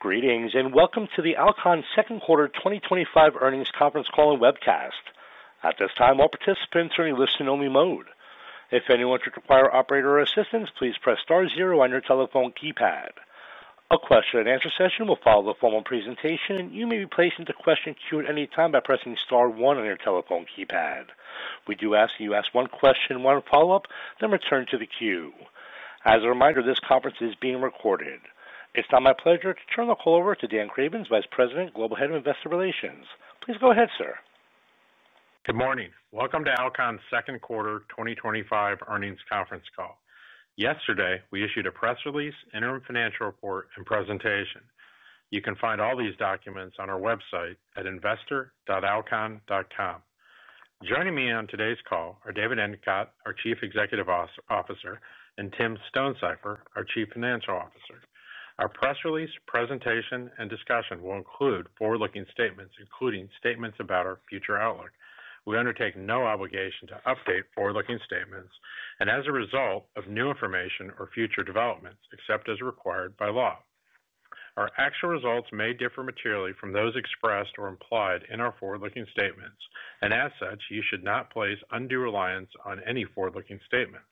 Greetings and welcome to the Alcon Second Quarter 2025 Earnings Conference Call and Webcast. At this time, all participants are in listener only mode. If anyone should require operator assistance, please press star zero on your telephone keypad. A question-and-answer session will follow the formal presentation, and you may be placed into question queue at any time by pressing star one on your telephone keypad. We do ask that you ask one question and one follow-up, then return to the queue. As a reminder, this conference is being recorded. It's now my pleasure to turn the call over to Dan Cravens, Vice President, Global Head of Investor Relations. Please go ahead, sir. Good morning. Welcome to Alcon's Second Quarter 2025 Earnings Conference Call. Yesterday, we issued a press release, interim financial report, and presentation. You can find all these documents on our website at investor.alcon.com. Joining me on today's call are David Endicott, our Chief Executive Officer, and Tim Stonesifer, our Chief Financial Officer. Our press release, presentation, and discussion will include forward-looking statements, including statements about our future outlook. We undertake no obligation to update forward-looking statements as a result of new information or future developments, except as required by law. Our actual results may differ materially from those expressed or implied in our forward-looking statements, and as such, you should not place undue reliance on any forward-looking statements.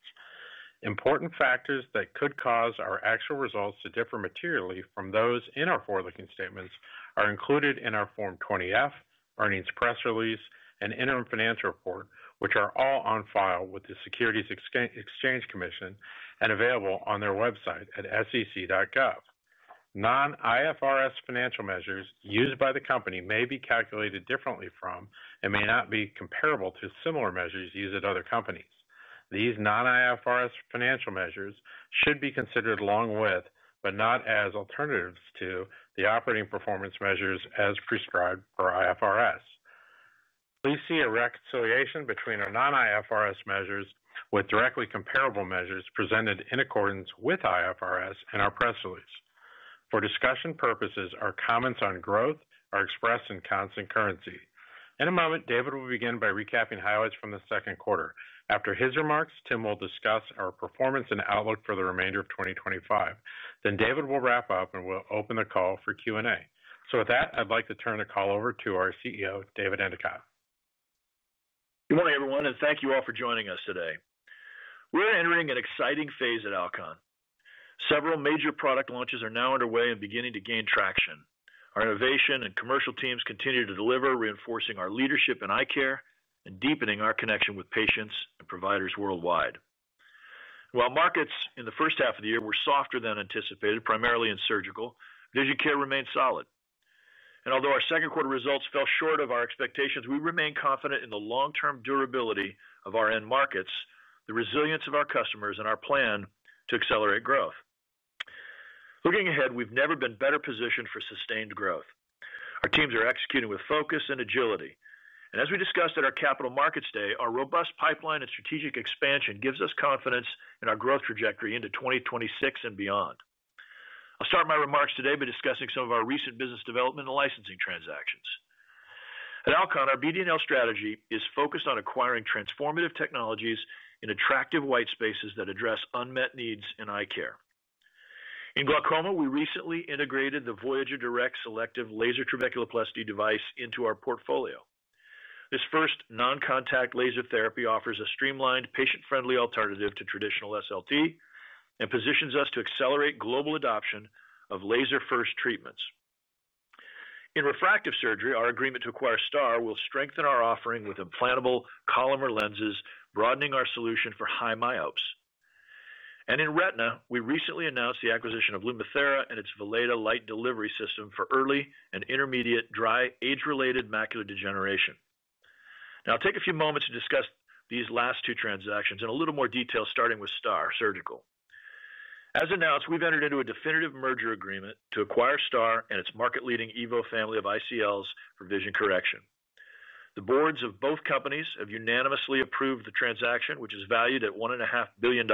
Important factors that could cause our actual results to differ materially from those in our forward-looking statements are included in our Form 20-F, Earnings Press Release, and Interim Financial Report, which are all on file with the Securities Exchange Commission and available on their website at sec.gov. Non-IFRS financial measures used by the company may be calculated differently from and may not be comparable to similar measures used at other companies. These non-IFRS financial measures should be considered along with, but not as alternatives to, the operating performance measures as prescribed per IFRS. Please see a reconciliation between our non-IFRS measures with directly comparable measures presented in accordance with IFRS in our press release. For discussion purposes, our comments on growth are expressed in constant currency. In a moment, David will begin by recapping highlights from the second quarter. After his remarks, Tim will discuss our performance and outlook for the remainder of 2025. David will wrap up and we'll open the call for Q&A. With that, I'd like to turn the call over to our CEO, David Endicott. Good morning, everyone, and thank you all for joining us today. We're entering an exciting phase at Alcon. Several major product launches are now underway and beginning to gain traction. Our innovation and commercial teams continue to deliver, reinforcing our leadership in eye care and deepening our connection with patients and providers worldwide. While markets in the first half of the year were softer than anticipated, primarily in surgical, vision care remains solid. Although our second quarter results fell short of our expectations, we remain confident in the long-term durability of our end markets, the resilience of our customers, and our plan to accelerate growth. Looking ahead, we've never been better positioned for sustained growth. Our teams are executing with focus and agility. As we discussed at our Capital Markets Day, our robust pipeline and strategic expansion give us confidence in our growth trajectory into 2026 and beyond. I'll start my remarks today by discussing some of our recent business development and licensing transactions. At Alcon, our BD&L strategy is focused on acquiring transformative technologies in attractive white spaces that address unmet needs in eye care. In glaucoma, we recently integrated the Voyager Direct selective laser trabeculoplasty into our portfolio. This first non-contact laser therapy offers a streamlined, patient-friendly alternative to traditional SLT and positions us to accelerate global adoption of laser-first treatments. In refractive surgery, our agreement to STAAR Surgical will strengthen our offering with implantable Collamer Lenses, broadening our solution for high myopes. In retina, we recently announced the acquisition of LumiThera and its Valeda Light Delivery System for early and intermediate dry age-related macular degeneration. Now, I'll take a few moments to discuss these last two transactions in a little more detail, starting with STAAR Surgical. As announced, we've entered into a definitive merger agreement to STAAR Surgical and its market-leading EVO family of ICLs for vision correction. The boards of both companies have unanimously approved the transaction, which is valued at $1.5 billion.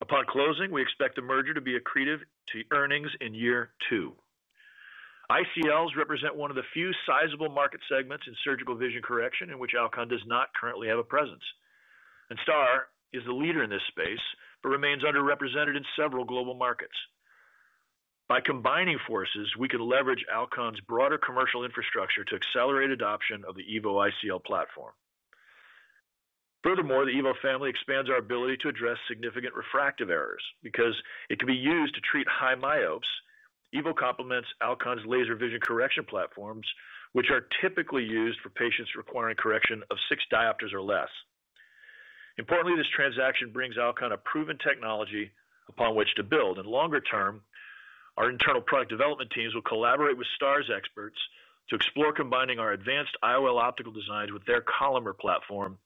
Upon closing, we expect the merger to be accretive to earnings in year two. ICLs represent one of the few sizable market segments in surgical vision correction in which Alcon does not currently have a presence. STAAR is the leader in this space but remains underrepresented in several global markets. By combining forces, we can leverage Alcon's broader commercial infrastructure to accelerate adoption of the EVO ICL platform. Furthermore, the EVO family expands our ability to address significant refractive errors because it can be used to treat high myopes. EVO complements Alcon's laser vision correction platforms, which are typically used for patients requiring correction of six diopters or less. Importantly, this transaction brings Alcon a proven technology upon which to build. Longer term, our internal product development teams will collaborate with STAAR's experts to explore combining our advanced IOL optical designs with their Collamer platform,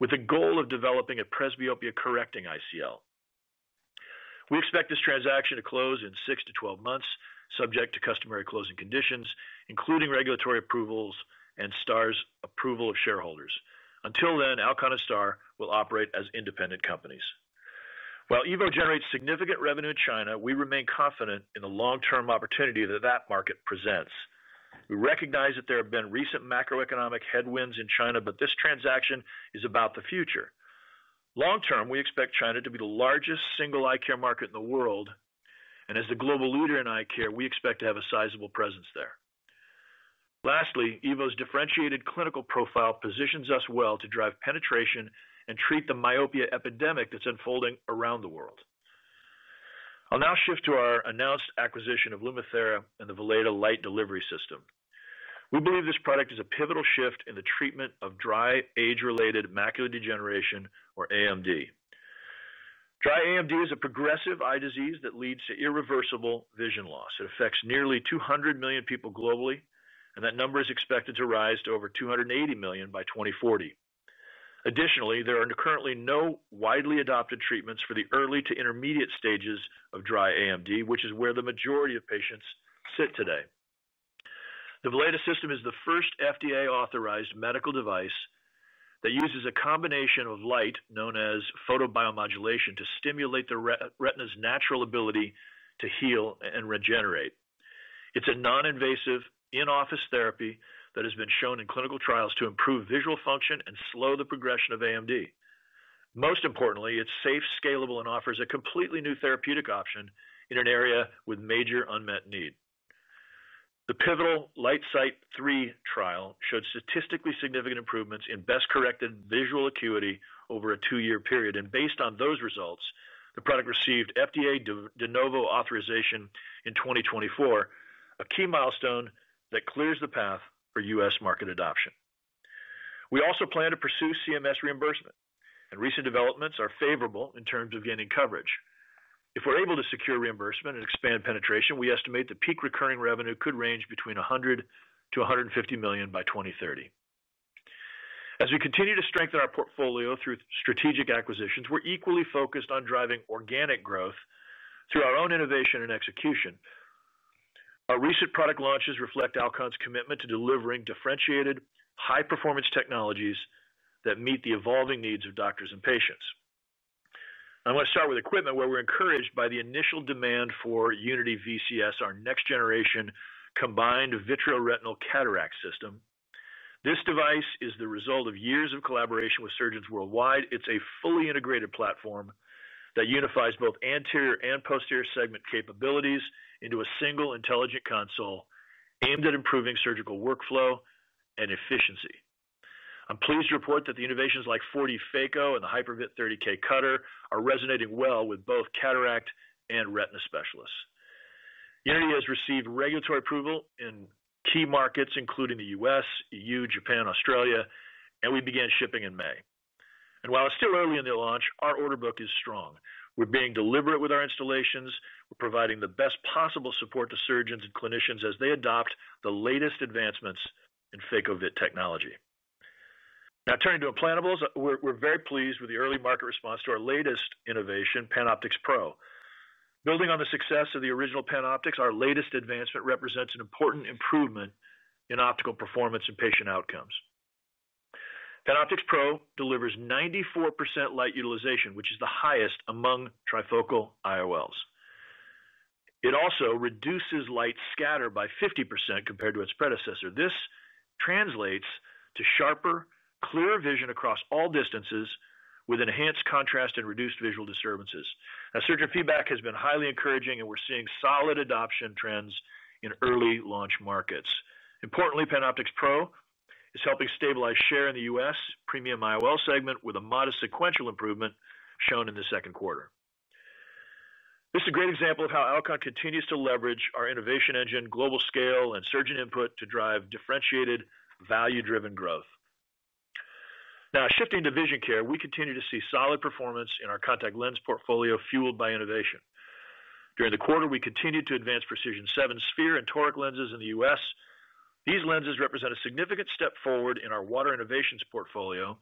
with the goal of developing a presbyopia-correcting ICL. We expect this transaction to close in 6-12 months, subject to customary closing conditions, including regulatory approvals and STAAR's approval of shareholders. Until then, Alcon and STAAR will operate as independent companies. While EVO generates significant revenue in China, we remain confident in the long-term opportunity that market presents. We recognize that there have been recent macroeconomic headwinds in China, but this transaction is about the future. Long term, we expect China to be the largest single eye care market in the world. As the global leader in eye care, we expect to have a sizable presence there. Lastly, EVO's differentiated clinical profile positions us well to drive penetration and treat the myopia epidemic that's unfolding around the world. I'll now shift to our announced acquisition of LumiThera and the Valeda Light Delivery System. We believe this product is a pivotal shift in the treatment of dry age-related macular degeneration, or AMD. Dry AMD is a progressive eye disease that leads to irreversible vision loss. It affects nearly 200 million people globally, and that number is expected to rise to over 280 million by 2040. Additionally, there are currently no widely adopted treatments for the early to intermediate stages of dry AMD, which is where the majority of patients sit today. The Valeda system is the first FDA-authorized medical device that uses a combination of light known as photobiomodulation to stimulate the retina's natural ability to heal and regenerate. It's a non-invasive in-office therapy that has been shown in clinical trials to improve visual function and slow the progression of AMD. Most importantly, it's safe, scalable, and offers a completely new therapeutic option in an area with major unmet need. The pivotal LIGHTSITE III trial showed statistically significant improvements in best-corrected visual acuity over a two-year period. Based on those results, the product received FDA de novo authorization in 2024, a key milestone that clears the path for U.S. market adoption. We also plan to pursue CMS reimbursement, and recent developments are favorable in terms of gaining coverage. If we're able to secure reimbursement and expand penetration, we estimate the peak recurring revenue could range between $100 million-$150 million by 2030. As we continue to strengthen our portfolio through strategic acquisitions, we're equally focused on driving organic growth through our own innovation and execution. Our recent product launches reflect Alcon's commitment to delivering differentiated, high-performance technologies that meet the evolving needs of doctors and patients. I want to start with equipment where we're encouraged by the initial demand for Unity VCS, our next-generation combined vitreoretinal cataract system. This device is the result of years of collaboration with surgeons worldwide. It's a fully integrated platform that unifies both anterior and posterior segment capabilities into a single intelligent console aimed at improving surgical workflow and efficiency. I'm pleased to report that the innovations like 40 Phaco and the HyperVit 30K cutter are resonating well with both cataract and retina specialists. Unity has received regulatory approval in key markets, including the U.S., EU, Japan, and Australia, and we began shipping in May. While it's still early in the launch, our order book is strong. We're being deliberate with our installations, providing the best possible support to surgeons and clinicians as they adopt the latest advancements in Phacovit technology. Now turning to implantables, we're very pleased with the early market response to our latest innovation, PanOptix Pro. Building on the success of the original PanOptix, our latest advancement represents an important improvement in optical performance and patient outcomes. PanOptix Pro delivers 94% light utilization, which is the highest among trifocal IOLs. It also reduces light scatter by 50% compared to its predecessor. This translates to sharper, clearer vision across all distances with enhanced contrast and reduced visual disturbances. Now, surgeon feedback has been highly encouraging, and we're seeing solid adoption trends in early launch markets. Importantly, PanOptix Pro is helping stabilize share in the U.S. premium IOL segment with a modest sequential improvement shown in the second quarter. This is a great example of how Alcon continues to leverage our innovation engine, global scale, and surgeon input to drive differentiated, value-driven growth. Now, shifting to vision care, we continue to see solid performance in our contact lens portfolio, fueled by innovation. During the quarter, we continued to advance Precision7 sphere and toric lenses in the U.S. These lenses represent a significant step forward in our water innovations portfolio,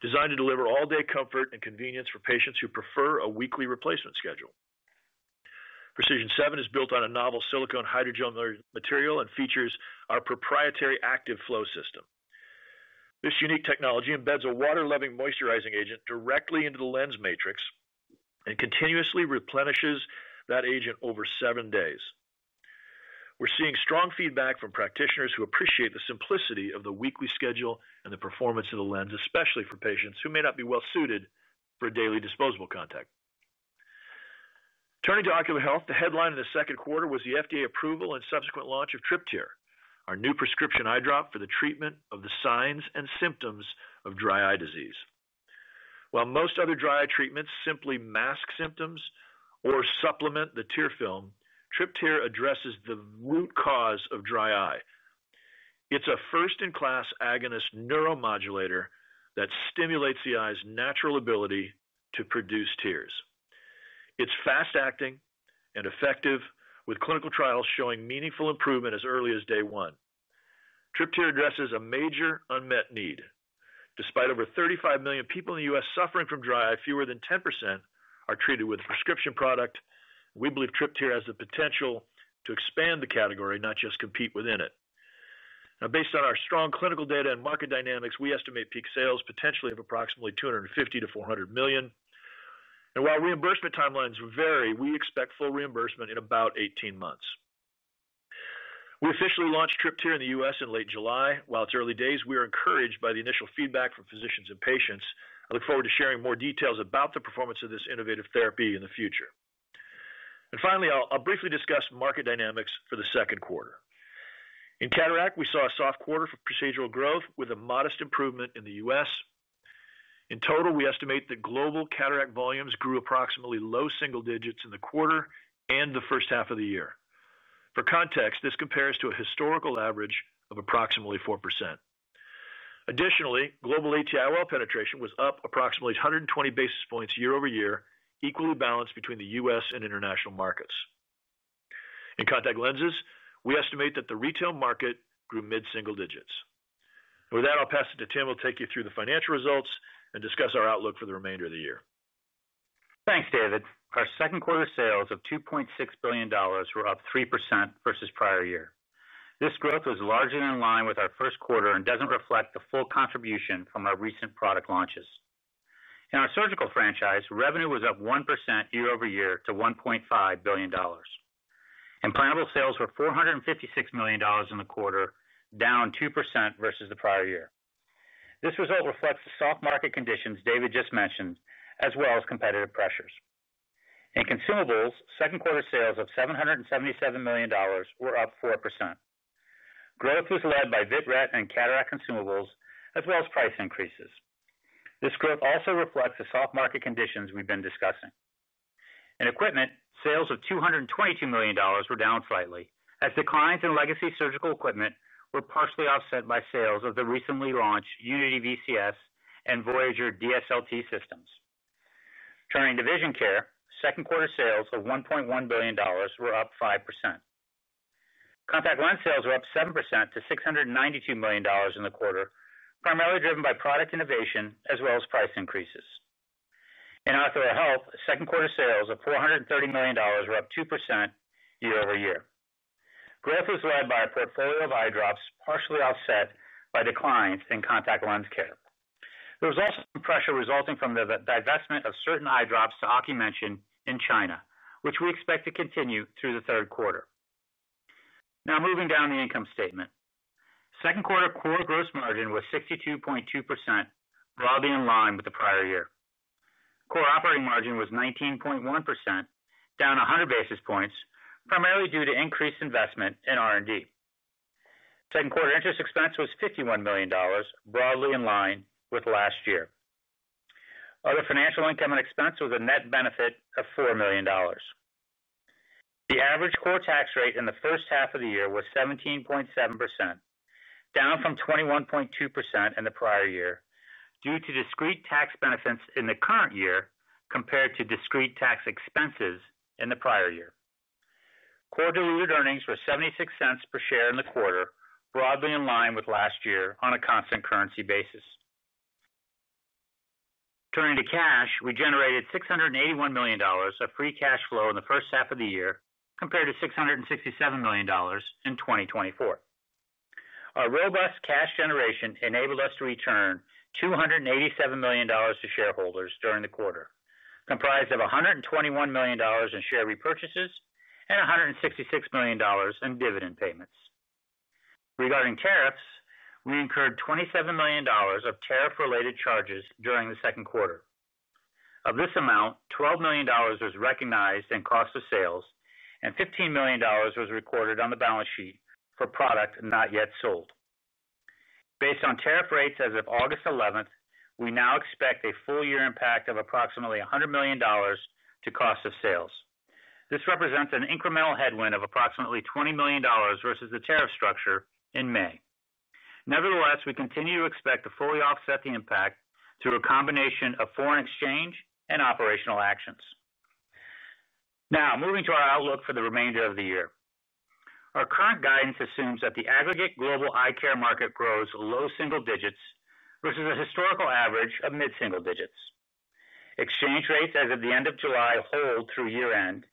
designed to deliver all-day comfort and convenience for patients who prefer a weekly replacement schedule. Precision7 is built on a novel silicone hydrogel material and features our proprietary ACTIV-FLO system. This unique technology embeds a water-loving moisturizing agent directly into the lens matrix and continuously replenishes that agent over seven days. We're seeing strong feedback from practitioners who appreciate the simplicity of the weekly schedule and the performance of the lens, especially for patients who may not be well-suited for daily disposable contact. Turning to ocular health, the headline in the second quarter was the FDA approval and subsequent launch of Tryptyr, our new prescription eye drop for the treatment of the signs and symptoms of dry eye disease. While most other dry eye treatments simply mask symptoms or supplement the tear film, Tryptyr addresses the root cause of dry eye. It's a first-in-class agonist neuromodulator that stimulates the eye's natural ability to produce tears. It's fast-acting and effective, with clinical trials showing meaningful improvement as early as day one. Tryptyr addresses a major unmet need. Despite over 35 million people in the U.S. suffering from dry eye, fewer than 10% are treated with a prescription product. We believe Tryptyr has the potential to expand the category, not just compete within it. Now, based on our strong clinical data and market dynamics, we estimate peak sales potentially of approximately $250 million-$400 million. While reimbursement timelines vary, we expect full reimbursement in about 18 months. We officially launched Tryptyr in the U.S. in late July. While it's early days, we are encouraged by the initial feedback from physicians and patients. I look forward to sharing more details about the performance of this innovative therapy in the future. Finally, I'll briefly discuss market dynamics for the second quarter. In cataract, we saw a soft quarter for procedural growth with a modest improvement in the U.S. In total, we estimate that global cataract volumes grew approximately low single digits in the quarter and the first half of the year. For context, this compares to a historical average of approximately 4%. Additionally, global AT-IOL penetration was up approximately 120 basis points year-over-year, equally balanced between the U.S. and international markets. In contact lenses, we estimate that the retail market grew mid-single digits. With that, I'll pass it to Tim. He'll take you through the financial results and discuss our outlook for the remainder of the year. Thanks, David. Our second quarter sales of $2.6 billion were up 3% versus prior year. This growth was largely in line with our first quarter and doesn't reflect the full contribution from our recent product launches. In our surgical franchise, revenue was up 1% year-over-year to $1.5 billion. Implantable sales were $456 million in the quarter, down 2% versus the prior year. This result reflects the soft market conditions David just mentioned, as well as competitive pressures. In consumables, second quarter sales of $777 million were up 4%. Growth was led by Vitret and Cataract Consumables, as well as price increases. This growth also reflects the soft market conditions we've been discussing. In equipment, sales of $222 million were down slightly, as declines in legacy surgical equipment were partially offset by sales of the recently launched Unity VCS and Voyager DSLT systems. Turning to vision care, second quarter sales of $1.1 billion were up 5%. Contact lens sales were up 7% to $692 million in the quarter, primarily driven by product innovation as well as price increases. In ocular health, second quarter sales of $430 million were up 2% year-over-year. Growth was led by a portfolio of eye drops partially offset by declines in contact lens care. There was also some pressure resulting from the divestment of certain eye drops to OcuMension in China, which we expect to continue through the third quarter. Now, moving down the income statement, second quarter core gross margin was 62.2%, broadly in line with the prior year. Core operating margin was 19.1%, down 100 basis points, primarily due to increased investment in R&D. Second quarter interest expense was $51 million, broadly in line with last year. Other financial income and expense was a net benefit of $4 million. The average core tax rate in the first half of the year was 17.7%, down from 21.2% in the prior year due to discrete tax benefits in the current year compared to discrete tax expenses in the prior year. Core diluted earnings were $0.76 per share in the quarter, broadly in line with last year on a constant currency basis. Turning to cash, we generated $681 million of free cash flow in the first half of the year compared to $667 million in 2024. Our robust cash generation enabled us to return $287 million to shareholders during the quarter, comprised of $121 million in share repurchases and $166 million in dividend payments. Regarding tariffs, we incurred $27 million of tariff-related charges during the second quarter. Of this amount, $12 million was recognized in cost of sales, and $15 million was recorded on the balance sheet for product not yet sold. Based on tariff rates as of August 11, we now expect a full-year impact of approximately $100 million to cost of sales. This represents an incremental headwind of approximately $20 million versus the tariff structure in May. Nevertheless, we continue to expect to fully offset the impact through a combination of foreign exchange and operational actions. Now, moving to our outlook for the remainder of the year, our current guidance assumes that the aggregate global eye care market grows low single digits versus a historical average of mid-single digits. Exchange rates as of the end of July hold through year-end,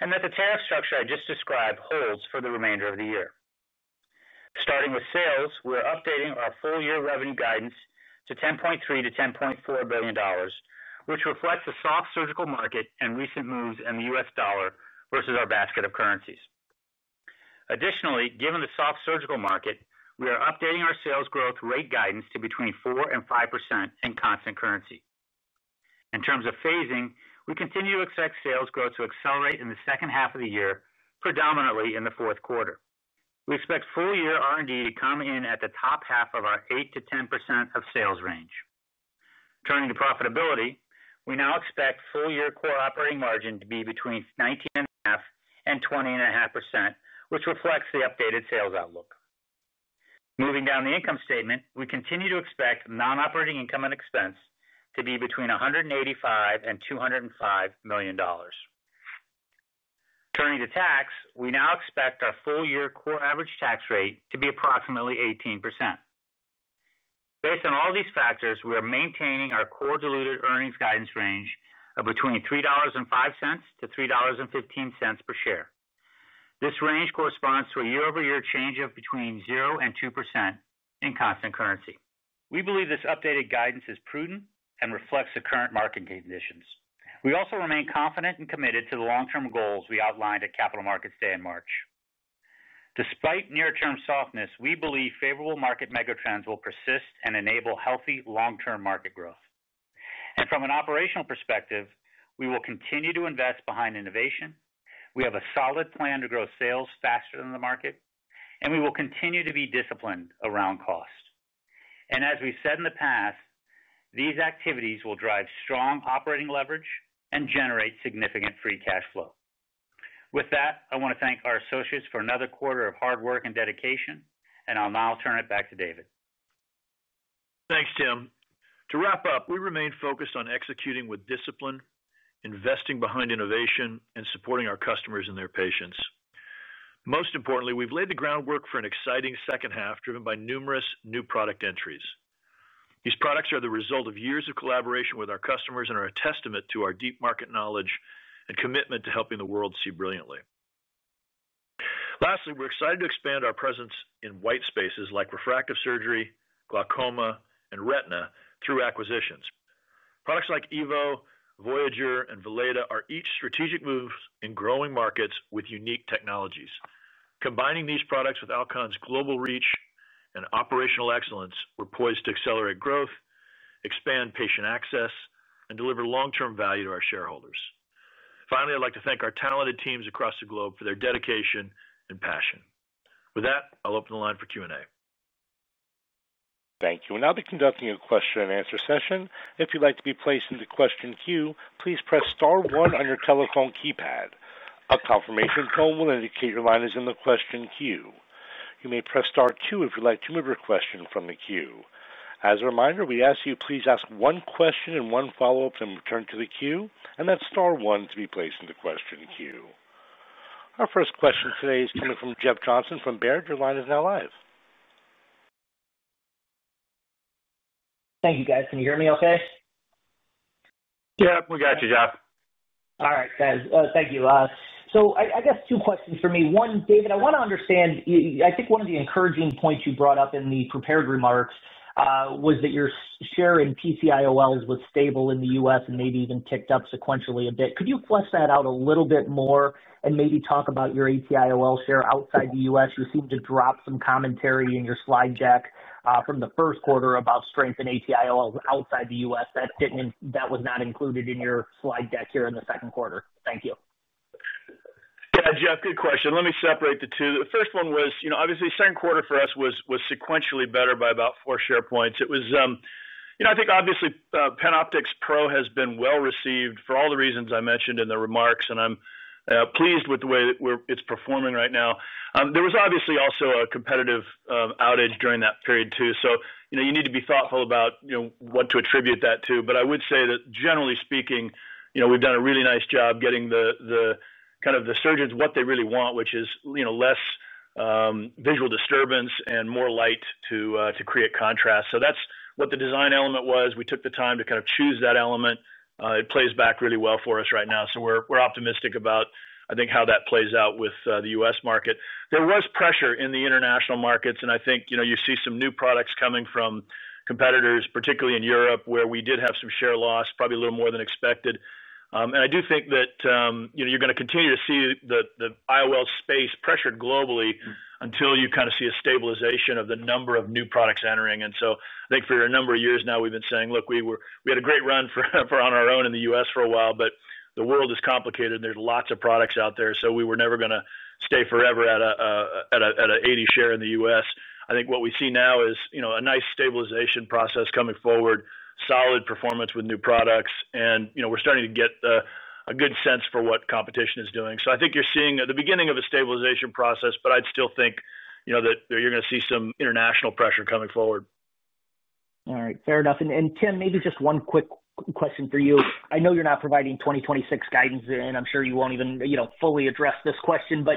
and that the tariff structure I just described holds for the remainder of the year. Starting with sales, we're updating our full-year revenue guidance to $10.3 billion-$10.4 billion, which reflects the soft surgical market and recent moves in the U.S. dollar versus our basket of currencies. Additionally, given the soft surgical market, we are updating our sales growth rate guidance to between 4% and 5% in constant currency. In terms of phasing, we continue to expect sales growth to accelerate in the second half of the year, predominantly in the fourth quarter. We expect full-year R&D to come in at the top half of our 8%-10% of sales range. Turning to profitability, we now expect full-year core operating margin to be between 19.5% and 20.5%, which reflects the updated sales outlook. Moving down the income statement, we continue to expect non-operating income and expense to be between $185 and $205 million. Turning to tax, we now expect our full-year core average tax rate to be approximately 18%. Based on all these factors, we are maintaining our core diluted earnings guidance range of between $3.05-$3.15 per share. This range corresponds to a year-over-year change of between 0% and 2% in constant currency. We believe this updated guidance is prudent and reflects the current market conditions. We also remain confident and committed to the long-term goals we outlined at Capital Markets Day in March. Despite near-term softness, we believe favorable market megatrends will persist and enable healthy long-term market growth. From an operational perspective, we will continue to invest behind innovation. We have a solid plan to grow sales faster than the market, and we will continue to be disciplined around cost. As we've said in the past, these activities will drive strong operating leverage and generate significant free cash flow. With that, I want to thank our associates for another quarter of hard work and dedication, and I'll now turn it back to David. Thanks, Tim. To wrap up, we remain focused on executing with discipline, investing behind innovation, and supporting our customers and their patients. Most importantly, we've laid the groundwork for an exciting second half driven by numerous new product entries. These products are the result of years of collaboration with our customers and are a testament to our deep market knowledge and commitment to helping the world see brilliantly. Lastly, we're excited to expand our presence in white spaces like refractive surgery, glaucoma, and retina through acquisitions. Products like EVO, Voyager, and Valeda are each strategic moves in growing markets with unique technologies. Combining these products with Alcon's global reach and operational excellence, we're poised to accelerate growth, expand patient access, and deliver long-term value to our shareholders. Finally, I'd like to thank our talented teams across the globe for their dedication and passion. With that, I'll open the line for Q&A. Thank you. We're now conducting a question-and-answer session. If you'd like to be placed into the question queue, please press star one on your telephone keypad. A confirmation tone will indicate your line is in the question queue. You may press star two if you'd like to remove your question from the queue. As a reminder, we ask that you please ask one question and one follow-up and return to the queue, and that's star one to be placed in the question queue. Our first question today is coming from Jeff Johnson from Baird. Your line is now live. Thank you, guys. Can you hear me okay? Yeah, we got you, Jeff. All right, guys. Thank you. I guess two questions for me. One, David, I want to understand, I think one of the encouraging points you brought up in the prepared remarks was that your share in PC-IOL was stable in the U.S. and maybe even ticked up sequentially a bit. Could you flesh that out a little bit more and maybe talk about your AT-IOL share outside the U.S.? You seemed to drop some commentary in your slide deck from the first quarter about strength in AT-IOLs outside the U.S. That was not included in your slide deck here in the second quarter. Thank you. Yeah, Jeff, good question. Let me separate the two. The first one was, you know, obviously, the second quarter for us was sequentially better by about four share points. It was, you know, I think obviously, PanOptix Pro has been well received for all the reasons I mentioned in the remarks, and I'm pleased with the way that we're it's performing right now. There was obviously also a competitive outage during that period too. You need to be thoughtful about, you know, what to attribute that to. I would say that generally speaking, you know, we've done a really nice job getting the kind of the surgeons what they really want, which is, you know, less visual disturbance and more light to create contrast. That's what the design element was. We took the time to kind of choose that element. It plays back really well for us right now. We're optimistic about, I think, how that plays out with the U.S. market. There was pressure in the international markets, and I think, you know, you see some new products coming from competitors, particularly in Europe, where we did have some share loss, probably a little more than expected. I do think that, you know, you're going to continue to see the IOL space pressured globally until you kind of see a stabilization of the number of new products entering. I think for a number of years now, we've been saying, look, we had a great run for on our own in the U.S. for a while, but the world is complicated and there's lots of products out there. We were never going to stay forever at an 80 share in the U.S. I think what we see now is, you know, a nice stabilization process coming forward, solid performance with new products, and, you know, we're starting to get a good sense for what competition is doing. I think you're seeing the beginning of a stabilization process, but I'd still think, you know, that you're going to see some international pressure coming forward. All right. Fair enough. Tim, maybe just one quick question for you. I know you're not providing 2026 guidance there, and I'm sure you won't even fully address this question, but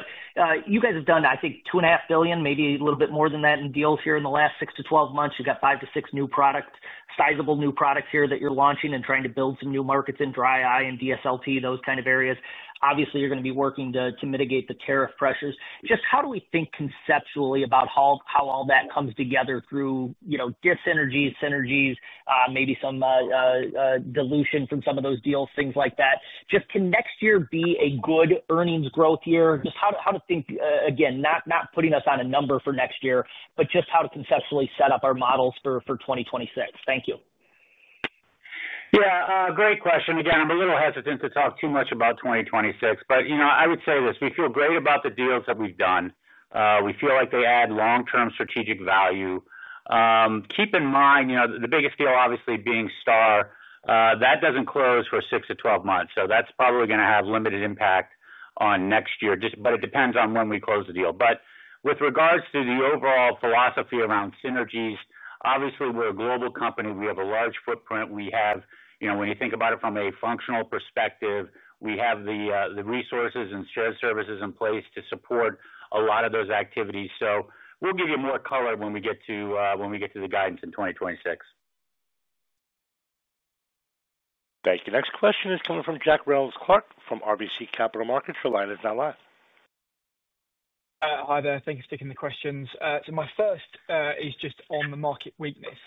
you guys have done that. I think $2.5 billion, maybe a little bit more than that in deals here in the last six to twelve months. You've got five to six new products, sizable new products here that you're launching and trying to build some new markets in dry eye and DSLT, those kind of areas. Obviously, you're going to be working to mitigate the tariff pressures. Just how do we think conceptually about how all that comes together through disynergies, synergies, maybe some dilution from some of those deals, things like that? Can next year be a good earnings growth year? How to think, again, not putting us on a number for next year, but just how to conceptually set up our models for 2026. Thank you. Yeah, great question. Again, I'm a little hesitant to talk too much about 2026, but you know, I would say this. We feel great about the deals that we've done. We feel like they add long-term strategic value. Keep in mind, you know, the biggest deal obviously being STAAR, that doesn't close for 6-12 months. That's probably going to have limited impact on next year. It depends on when we close the deal. With regards to the overall philosophy around synergies, obviously, we're a global company. We have a large footprint. We have, you know, when you think about it from a functional perspective, we have the resources and shared services in place to support a lot of those activities. We'll give you more color when we get to the guidance in 2026. Thank you. Next question is coming from Jack Reynolds-Clark from RBC Capital Markets. Your line is now live. Hi there. Thank you for taking the questions. My first is just on the market weakness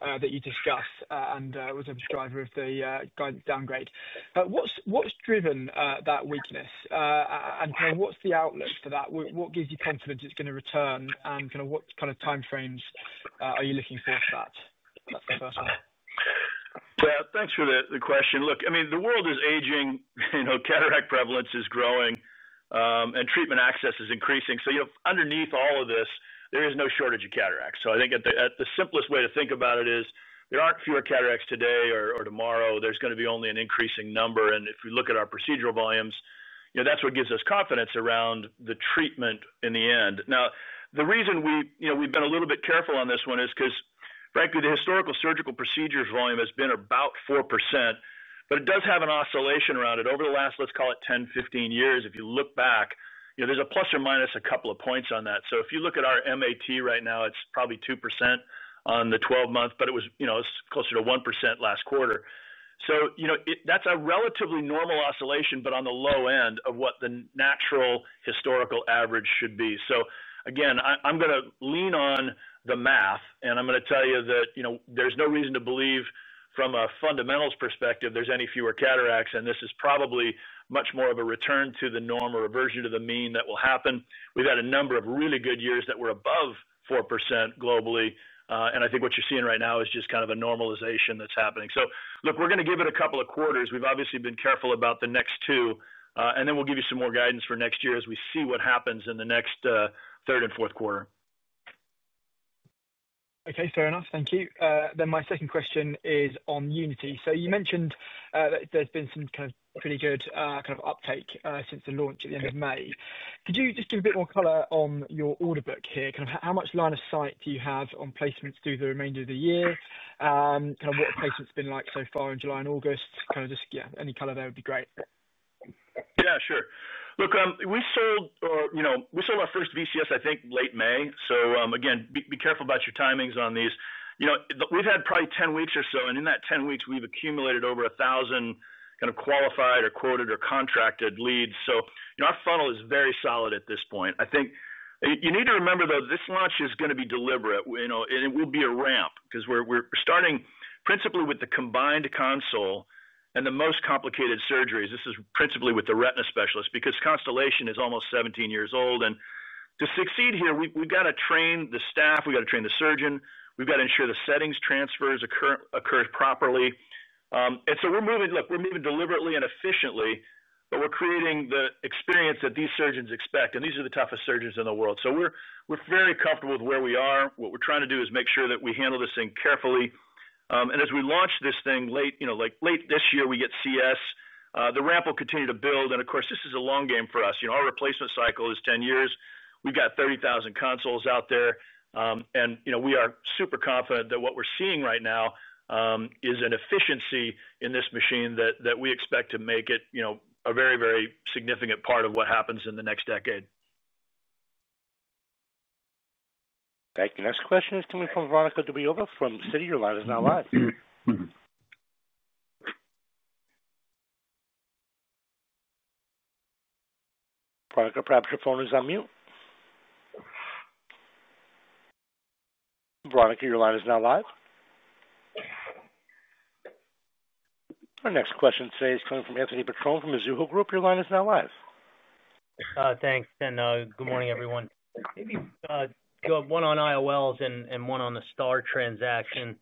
that you discussed and was a driver of the downgrade. What's driven that weakness, and what's the outlook for that? What gives you confidence it's going to return, and what kind of timeframes are you looking for for that? That's my first one. Yeah, thanks for the question. Look, I mean, the world is aging. You know, cataract prevalence is growing, and treatment access is increasing. Underneath all of this, there is no shortage of cataracts. I think that the simplest way to think about it is there aren't fewer cataracts today or tomorrow. There's going to be only an increasing number. If we look at our procedural volumes, that's what gives us confidence around the treatment in the end. The reason we've been a little bit careful on this one is because, frankly, the historical surgical procedures volume has been about 4%, but it does have an oscillation around it over the last, let's call it 10, 15 years. If you look back, there's a plus or minus a couple of points on that. If you look at our MAT right now, it's probably 2% on the 12-month, but it was closer to 1% last quarter. That's a relatively normal oscillation, but on the low end of what the natural historical average should be. Again, I'm going to lean on the math, and I'm going to tell you that there's no reason to believe from a fundamentals perspective there's any fewer cataracts, and this is probably much more of a return to the norm or a version of the mean that will happen. We've had a number of really good years that were above 4% globally, and I think what you're seeing right now is just kind of a normalization that's happening. We're going to give it a couple of quarters. We've obviously been careful about the next two, and then we'll give you some more guidance for next year as we see what happens in the next third and fourth quarter. Okay, fair enough. Thank you. My second question is on Unity. You mentioned that there's been some kind of pretty good kind of uptake since the launch at the end of May. Could you just give a bit more color on your order book here? How much line of sight do you have on placements through the remainder of the year? What the placement's been like so far in July and August? Any color there would be great. Yeah, sure. Look, we sold our first VCS, I think, late May. Again, be careful about your timings on these. We've had probably 10 weeks or so, and in that 10 weeks, we've accumulated over 1,000 kind of qualified or quoted or contracted leads. Our funnel is very solid at this point. I think you need to remember, though, this launch is going to be deliberate. It will be a ramp because we're starting principally with the combined console and the most complicated surgeries. This is principally with the retina specialists because Constellation is almost 17 years old. To succeed here, we've got to train the staff. We've got to train the surgeon. We've got to ensure the settings transfers occur properly. We're moving deliberately and efficiently, but we're creating the experience that these surgeons expect. These are the toughest surgeons in the world. We're very comfortable with where we are. What we're trying to do is make sure that we handle this thing carefully. As we launch this thing late, like late this year, we get VCS. The ramp will continue to build. Of course, this is a long game for us. Our replacement cycle is 10 years. We've got 30,000 consoles out there. We are super confident that what we're seeing right now is an efficiency in this machine that we expect to make it a very, very significant part of what happens in the next decade. Thank you. Next question is coming from Veronika Dubajova from Citi. Your line is now live. Veronica, perhaps your phone is on mute. Veronica, your line is now live. Our next question today is coming from Anthony Petrone from Mizuho Group. Your line is now live. Thanks, Tim. Good morning, everyone. Maybe go one on IOLs and one on the STAAR transaction.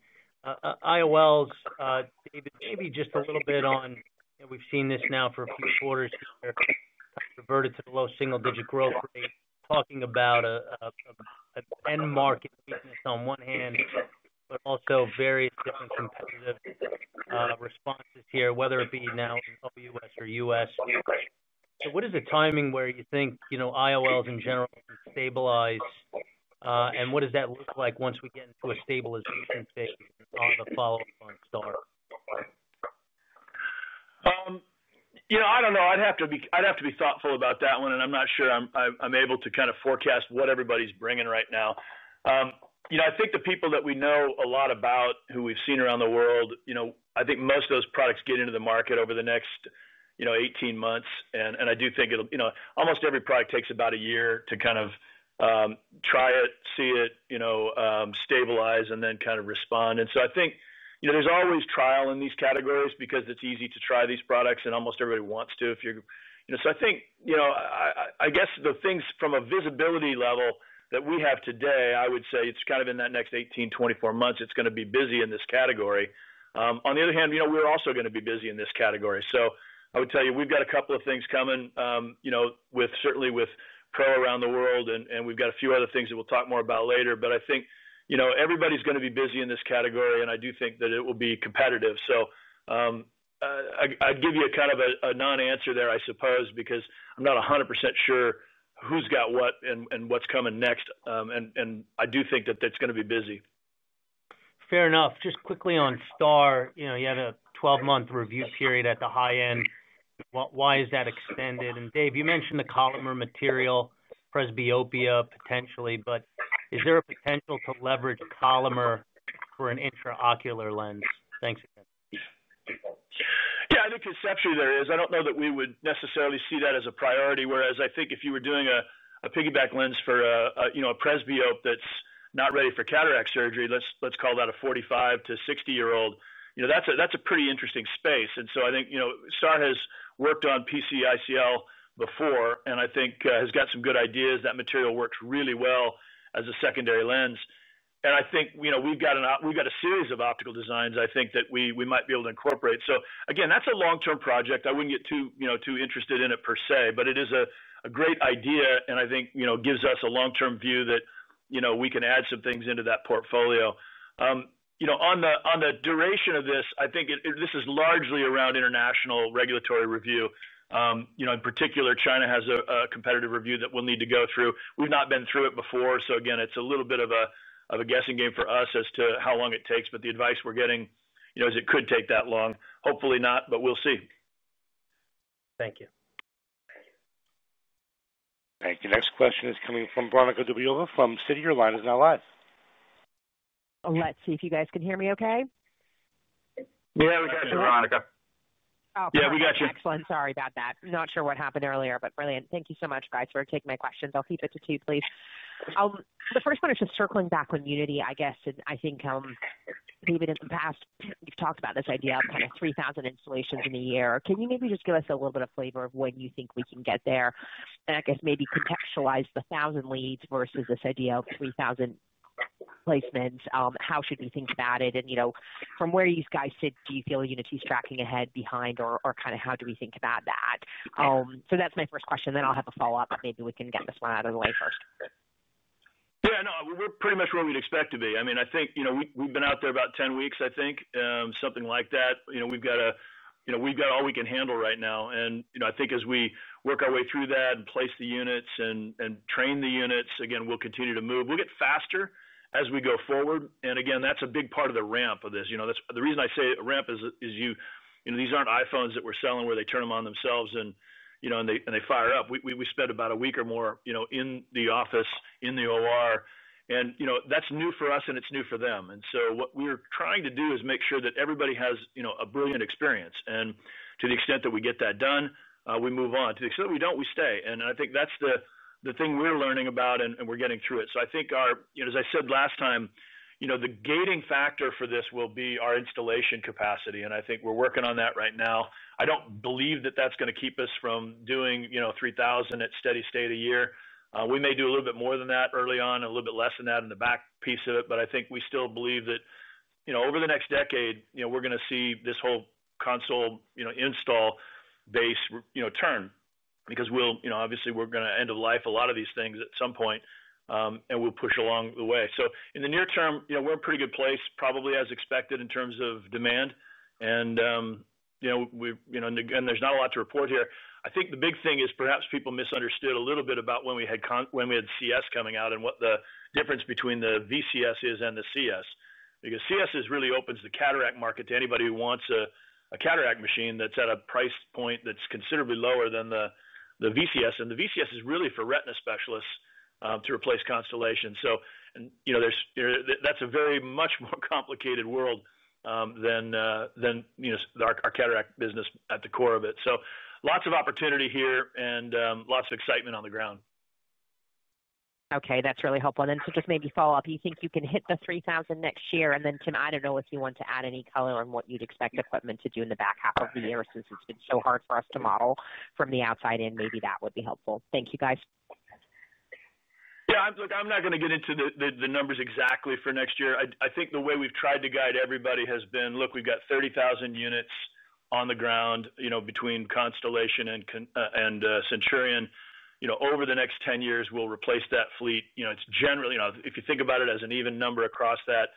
IOLs, David, maybe just a little bit on, you know, we've seen this now for a few quarters here, converted to the low single-digit growth rate, talking about an end market weakness on one hand, but also various different competitive responses here, whether it be now in [could be] or U.S. What is the timing where you think, you know, IOLs in general can stabilize? What does that look like once we get into a stabilization phase on the follow-up on STAAR? I don't know. I'd have to be thoughtful about that one, and I'm not sure I'm able to forecast what everybody's bringing right now. I think the people that we know a lot about, who we've seen around the world, I think most of those products get into the market over the next 18 months. I do think almost every product takes about a year to try it, see it, stabilize, and then respond. I think there's always trial in these categories because it's easy to try these products, and almost everybody wants to if you're, you know, so I think the things from a visibility level that we have today, I would say it's kind of in that next 18, 24 months, it's going to be busy in this category. On the other hand, we're also going to be busy in this category. I would tell you we've got a couple of things coming, certainly with Pro around the world, and we've got a few other things that we'll talk more about later. I think everybody's going to be busy in this category, and I do think that it will be competitive. I'd give you a kind of a non-answer there, I suppose, because I'm not 100% sure who's got what and what's coming next. I do think that that's going to be busy. Fair enough. Just quickly on STAAR, you know, you have a 12-month review period at the high end. Why is that extended? Dave, you mentioned the collamer material, presbyopia potentially, but is there a potential to leverage collamer for an intraocular lens? Thanks, again. Yeah, I think conceptually there is. I don't know that we would necessarily see that as a priority, whereas I think if you were doing a piggyback lens for a, you know, a presbyope that's not ready for cataract surgery, let's call that a 45-60-year-old. You know, that's a pretty interesting space. I think STAAR has worked on PC ICL before, and I think has got some good ideas. That material works really well as a secondary lens. I think we've got a series of optical designs that we might be able to incorporate. Again, that's a long-term project. I wouldn't get too interested in it per se, but it is a great idea, and I think it gives us a long-term view that we can add some things into that portfolio. On the duration of this, I think this is largely around international regulatory review. In particular, China has a competitive review that we'll need to go through. We've not been through it before. It's a little bit of a guessing game for us as to how long it takes. The advice we're getting is it could take that long. Hopefully not, but we'll see. Thank you. Thank you. Next question is coming from Veronika Dubajova from Citi. Your line is now live. Let's see if you guys can hear me okay. Yeah, we got you, Veronica. Yeah, we got you. Excellent. Sorry about that. I'm not sure what happened earlier, but brilliant. Thank you so much, guys, for taking my questions. I'll keep it to two, please. The first one is just circling back on Unity, I guess. I think, David, in the past, you've talked about this idea of kind of 3,000 installations in a year. Can you maybe just give us a little bit of flavor of when you think we can get there? I guess maybe contextualize the 1,000 leads versus this idea of 3,000 placements. How should we think about it? From where you guys sit, do you feel Unity's tracking ahead, behind, or kind of how do we think about that? That's my first question. Then I'll have a follow-up, but maybe we can get this one out of the way first. Yeah, no, we're pretty much where we'd expect to be. I mean, I think we've been out there about 10 weeks, I think, something like that. We've got all we can handle right now. I think as we work our way through that and place the units and train the units, again, we'll continue to move. We'll get faster as we go forward. That's a big part of the ramp of this. That's the reason I say the ramp is, you know, these aren't iPhones that we're selling where they turn them on themselves and they fire up. We spend about a week or more in the office, in the OR. That's new for us and it's new for them. What we're trying to do is make sure that everybody has a brilliant experience. To the extent that we get that done, we move on. To the extent that we don't, we stay. I think that's the thing we're learning about and we're getting through it. I think, as I said last time, the gating factor for this will be our installation capacity. I think we're working on that right now. I don't believe that that's going to keep us from doing 3,000 at steady state a year. We may do a little bit more than that early on and a little bit less than that in the back piece of it. I think we still believe that over the next decade, we're going to see this whole console install base turn. Because we'll, obviously, we're going to end of life a lot of these things at some point, and we'll push along the way. In the near term, we're in a pretty good place, probably as expected in terms of demand. There's not a lot to report here. I think the big thing is perhaps people misunderstood a little bit about when we had CS coming out and what the difference between the VCS is and the CS. CS really opens the cataract market to anybody who wants a cataract machine that's at a price point that's considerably lower than the VCS. The VCS is really for retina specialists, to replace constellations. That's a very much more complicated world than our cataract business at the core of it. Lots of opportunity here and lots of excitement on the ground. Okay, that's really helpful. Just maybe follow up. You think you can hit the 3,000 next year? Tim, I don't know if you want to add any color on what you'd expect equipment to do in the back half of the year since it's been so hard for us to model from the outside in. Maybe that would be helpful. Thank you, guys. I'm not going to get into the numbers exactly for next year. I think the way we've tried to guide everybody has been, we've got 30,000 units on the ground, you know, between Constellation and Centurion. Over the next 10 years, we'll replace that fleet. If you think about it as an even number across that,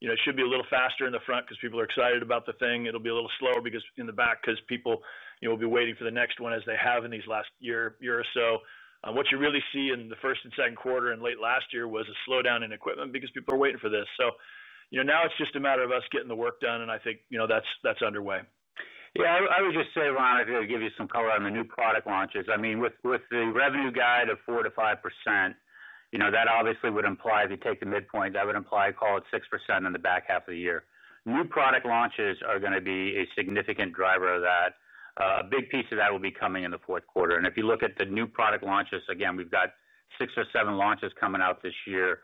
it should be a little faster in the front because people are excited about the thing. It'll be a little slower in the back because people will be waiting for the next one as they have in this last year or so. What you really see in the first and second quarter and late last year was a slowdown in equipment because people are waiting for this. Now it's just a matter of us getting the work done. I think that's underway. Yeah, I would just say, Veronica, to give you some color on the new product launches. I mean, with the revenue guide of 4%-5%, you know, that obviously would imply, if you take the midpoint, that would imply, call it 6% in the back half of the year. New product launches are going to be a significant driver of that. A big piece of that will be coming in the fourth quarter. If you look at the new product launches, again, we've got six or seven launches coming out this year.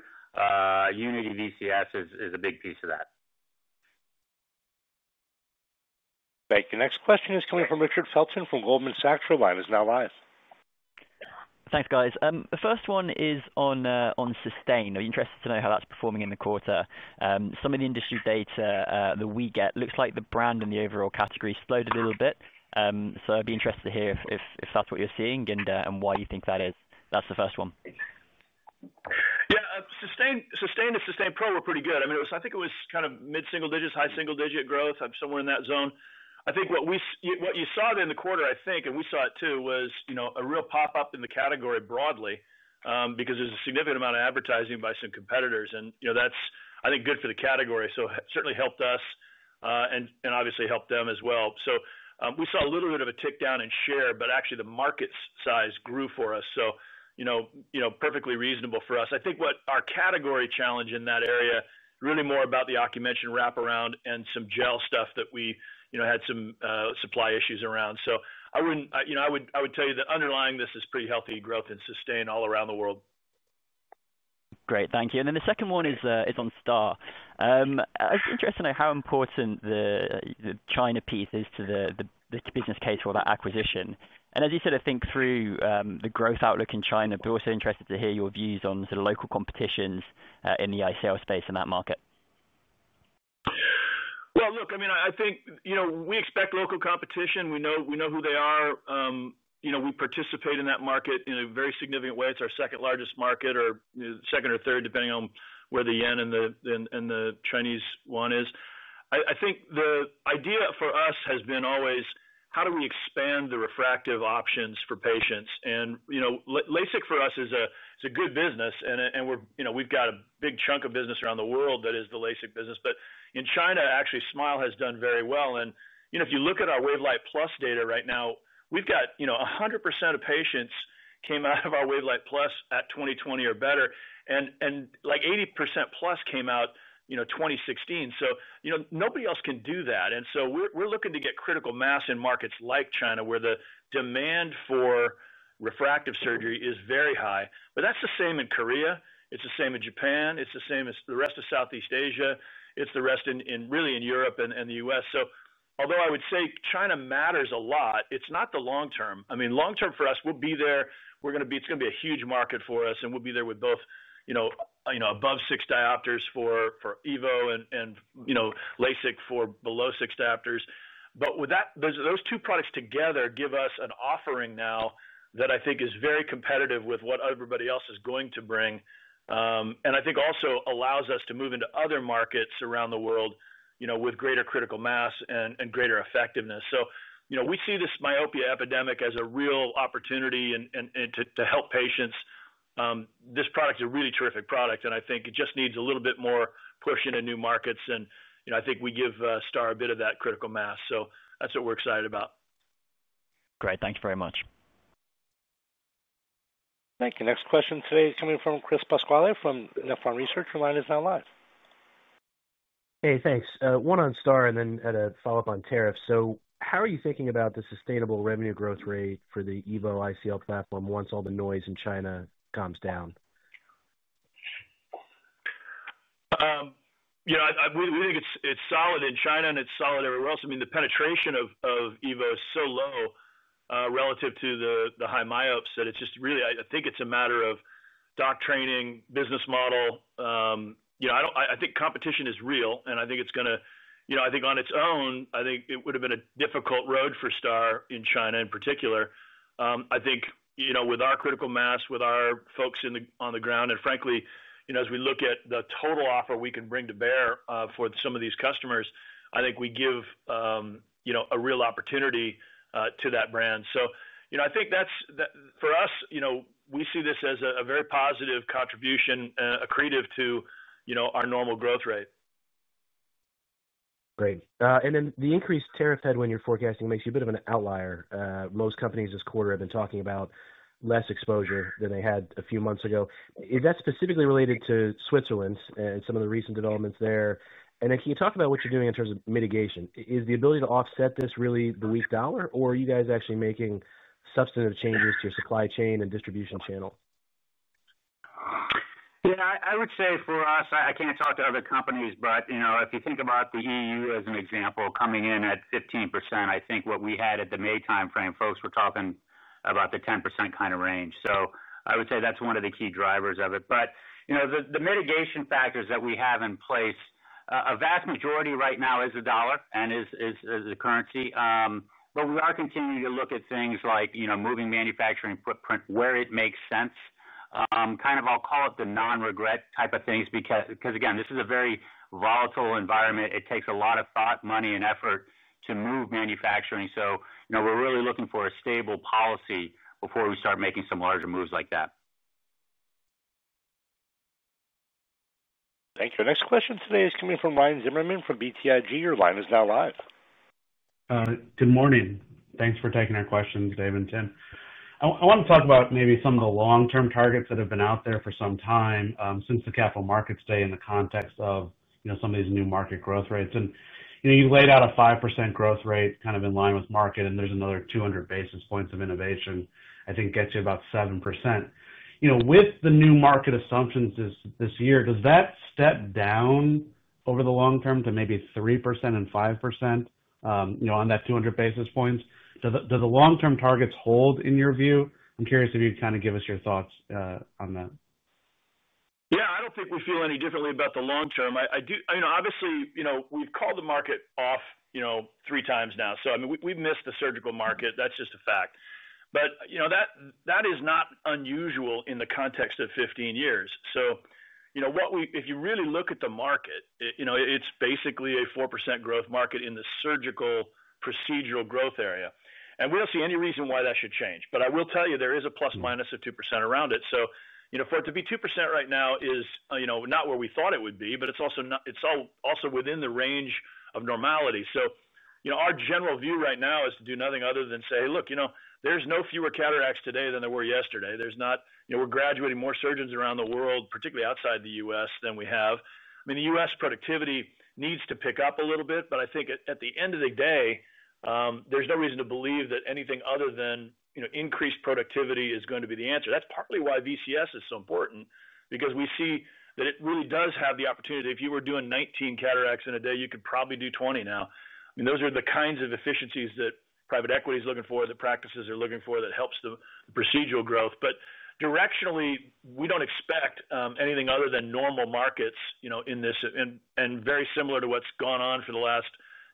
Unity VCS is a big piece of that. Thank you. Next question is coming from Richard Felton from Goldman Sachs. Your line is now live. Thanks, guys. The first one is on Systane. I'm interested to know how that's performing in the quarter. Some of the industry data that we get looks like the brand and the overall category slowed a little bit. I'd be interested to hear if that's what you're seeing and why you think that is. That's the first one. Yeah, Systane and Systane Pro were pretty good. I mean, I think it was kind of mid-single digits, high single digit growth, somewhere in that zone. I think what you saw there in the quarter, and we saw it too, was a real pop-up in the category broadly, because there's a significant amount of advertising by some competitors. That's, I think, good for the category. It certainly helped us, and obviously helped them as well. We saw a little bit of a tick down in share, but actually the market size grew for us. Perfectly reasonable for us. I think what our category challenge in that area is really more about the OcuMension wraparound and some gel stuff that we had some supply issues around. I would tell you that underlying this is pretty healthy growth in Systane all around the world. Great, thank you. The second one is on STAAR. It's interesting to know how important the China piece is to the business case for that acquisition. As you sort of think through the growth outlook in China, we're also interested to hear your views on sort of local competitions in the ICL space in that market. I mean, I think, you know, we expect local competition. We know who they are. We participate in that market in a very significant way. It's our second largest market or second or third, depending on where the yen and the Chinese yuan is. I think the idea for us has been always, how do we expand the refractive options for patients? Lasik for us is a good business. We've got a big chunk of business around the world that is the Lasik business. In China, actually, Smile has done very well. If you look at our Wavelight Plus data right now, we've got 100% of patients came out of our Wavelight Plus at 20/20 or better, and like 80% plus came out 20/16. Nobody else can do that. We're looking to get critical mass in markets like China where the demand for refractive surgery is very high. That's the same in Korea. It's the same in Japan. It's the same as the rest of Southeast Asia. It's the rest in really in Europe and the U.S. Although I would say China matters a lot, it's not the long term. Long term for us, we'll be there. We're going to be, it's going to be a huge market for us. We'll be there with both, you know, above six diopters for EVO and Lasik for below six diopters. With that, those two products together give us an offering now that I think is very competitive with what everybody else is going to bring. I think also allows us to move into other markets around the world with greater critical mass and greater effectiveness. We see this myopia epidemic as a real opportunity and to help patients. This product is a really terrific product. I think it just needs a little bit more push into new markets. I think we give STAAR a bit of that critical mass. That's what we're excited about. Great. Thank you very much. Thank you. Next question today is coming from Chris Pasquale from Nephron Research. Your line is now live. Hey, thanks. One on STAAR and then a follow-up on tariffs. How are you thinking about the sustainable revenue growth rate for the EVO ICL platform once all the noise in China calms down? I believe it's solid in China and it's solid everywhere else. The penetration of EVO is so low, relative to the high myopes, that it's just really, I think it's a matter of doc training, business model. I don't, I think competition is real. I think it's going to, I think on its own, it would have been a difficult road for STAAR Surgical in China in particular. With our critical mass, with our folks on the ground, and frankly, as we look at the total offer we can bring to bear for some of these customers, I think we give a real opportunity to that brand. I think that's for us, we see this as a very positive contribution and accretive to our normal growth rate. Great. The increased tariff headwind you're forecasting makes you a bit of an outlier. Most companies this quarter have been talking about less exposure than they had a few months ago. Is that specifically related to Switzerland and some of the recent developments there? Can you talk about what you're doing in terms of mitigation? Is the ability to offset this really the weak dollar, or are you guys actually making substantive changes to your supply chain and distribution channel? Yeah, I would say for us, I can't talk to other companies, but you know, if you think about the EU as an example, coming in at 15%, I think what we had at the May timeframe, folks were talking about the 10% kind of range. I would say that's one of the key drivers of it. The mitigation factors that we have in place, a vast majority right now is the dollar and is the currency. We are continuing to look at things like, you know, moving manufacturing footprint where it makes sense. I'll call it the non-regret type of things because, again, this is a very volatile environment. It takes a lot of thought, money, and effort to move manufacturing. We are really looking for a stable policy before we start making some larger moves like that. Thank you. Our next question today is coming from Ryan Zimmerman from BTIG. Your line is now live. Good morning. Thanks for taking our questions, David and Tim. I want to talk about maybe some of the long-term targets that have been out there for some time since the Capital Markets Day in the context of some of these new market growth rates. You've laid out a 5% growth rate kind of in line with market, and there's another 200 basis points of innovation, I think gets you about 7%. With the new market assumptions this year, does that step down over the long term to maybe 3% and 5% on that 200 basis points? Do the long-term targets hold in your view? I'm curious if you can kind of give us your thoughts on that. Yeah, I don't think we feel any differently about the long term. Obviously, we've called the market off three times now. I mean, we've missed the surgical market. That's just a fact. That is not unusual in the context of 15 years. If you really look at the market, it's basically a 4% growth market in the surgical procedural growth area, and we don't see any reason why that should change. I will tell you, there is a plus minus of 2% around it. For it to be 2% right now is not where we thought it would be, but it's also within the range of normality. Our general view right now is to do nothing other than say, hey, look, there's no fewer cataracts today than there were yesterday. We're graduating more surgeons around the world, particularly outside the U.S., than we have. The U.S. productivity needs to pick up a little bit, but I think at the end of the day, there's no reason to believe that anything other than increased productivity is going to be the answer. That's partly why VCS is so important, because we see that it really does have the opportunity. If you were doing 19 cataracts in a day, you could probably do 20 now. Those are the kinds of efficiencies that private equity is looking for, that practices are looking for, that helps the procedural growth. Directionally, we don't expect anything other than normal markets in this, and very similar to what's gone on for the last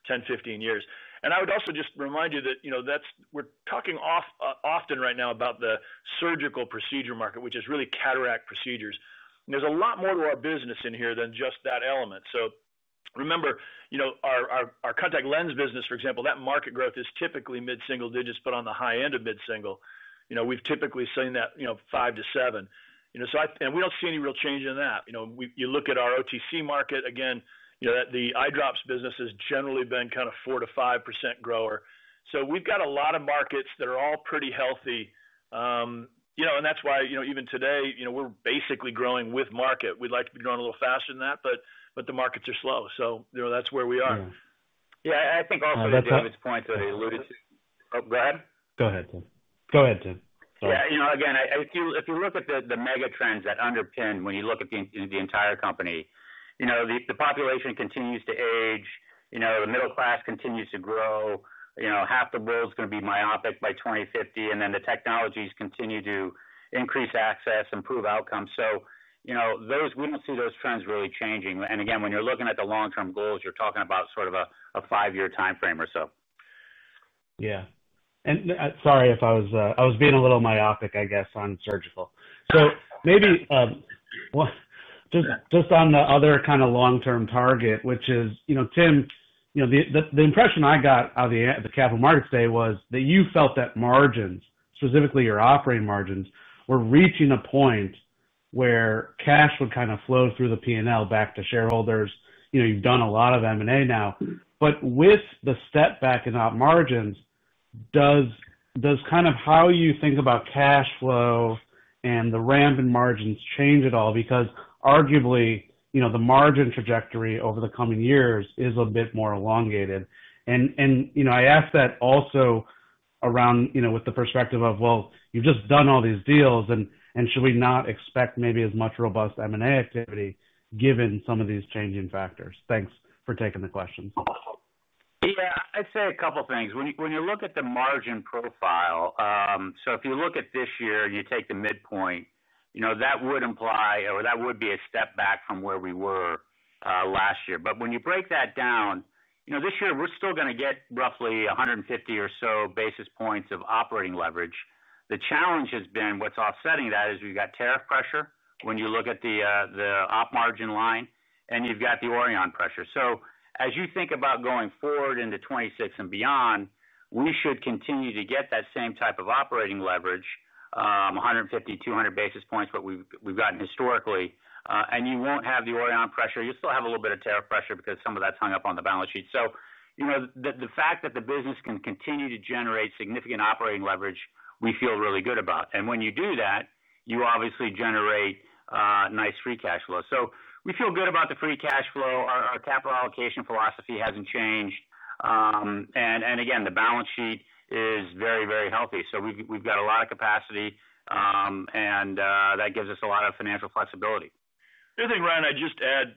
10, 15 years. I would also just remind you that we're talking often right now about the surgical procedure market, which is really cataract procedures. There's a lot more to our business in here than just that element. Remember, our contact lens business, for example, that market growth is typically mid-single digits, but on the high end of mid-single. We've typically seen that, five to seven. We don't see any real change in that. You look at our OTC market, again, the eye drops business has generally been kind of 4%-5% grower. We've got a lot of markets that are all pretty healthy, and that's why, even today, we're basically growing with market. We'd like to be growing a little faster than that, but the markets are slow. That's where we are. Yeah, I think also to David's point that I alluded to, go ahead. Go ahead, Tim. If you look at the megatrends that underpin when you look at the entire company, the population continues to age, the middle class continues to grow. Half the world's going to be myopic by 2050, and the technologies continue to increase access, improve outcomes. We don't see those trends really changing. When you're looking at the long-term goals, you're talking about sort of a five-year timeframe or so. Yeah. Sorry if I was being a little myopic, I guess, on surgical. Maybe just on the other kind of long-term target, which is, you know, Tim, the impression I got out of the Capital Markets Day was that you felt that margins, specifically your operating margins, were reaching a point where cash would kind of flow through the P&L back to shareholders. You know, you've done a lot of M&A now. With the step back in margins, does how you think about cash flow and the ramp in margins change at all? Arguably, the margin trajectory over the coming years is a bit more elongated. I ask that also around, you know, with the perspective of, you've just done all these deals, and should we not expect maybe as much robust M&A activity given some of these changing factors? Thanks for taking the questions. Yeah, I'd say a couple things. When you look at the margin profile, if you look at this year, you take the midpoint, that would imply, or that would be a step back from where we were last year. When you break that down, this year we're still going to get roughly 150 or so basis points of operating leverage. The challenge has been what's offsetting that is we've got tariff pressure when you look at the op margin line, and you've got the Orion pressure. As you think about going forward into 2026 and beyond, we should continue to get that same type of operating leverage, 150, 200 basis points, what we've gotten historically. You won't have the Orion pressure. You still have a little bit of tariff pressure because some of that's hung up on the balance sheet. The fact that the business can continue to generate significant operating leverage, we feel really good about. When you do that, you obviously generate nice free cash flow. We feel good about the free cash flow. Our capital allocation philosophy hasn't changed. The balance sheet is very, very healthy. We've got a lot of capacity, and that gives us a lot of financial flexibility. The other thing, Ryan, I'd just add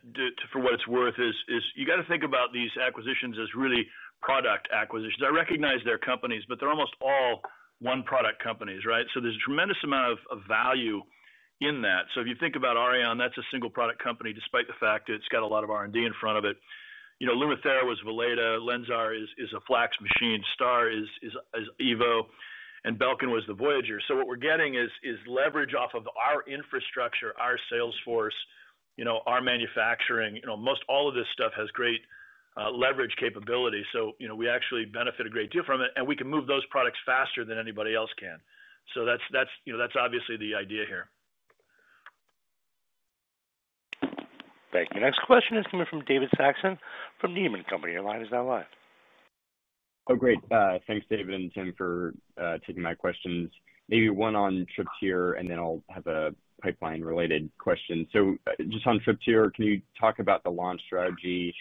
for what it's worth is you got to think about these acquisitions as really product acquisitions. I recognize they're companies, but they're almost all one-product companies, right? There's a tremendous amount of value in that. If you think about Orion, that's a single-product company despite the fact that it's got a lot of R&D in front of it. You know, LumiThera was Valeda, LENSAR is a FLACS machine. STAAR is EVO. Belkin was the Voyager. What we're getting is leverage off of our infrastructure, our sales force, our manufacturing. Most all of this stuff has great leverage capability. We actually benefit a great deal from it, and we can move those products faster than anybody else can. That's obviously the idea here. Thank you. Next question is coming from David Saxon from Needham & Company. Your line is now live. Oh, great. Thanks, David and Tim, for taking my questions. Maybe one on Tryptyr, and then I'll have a pipeline-related question. Just on Tryptyr, can you talk about the launch strategy